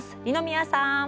二宮さん。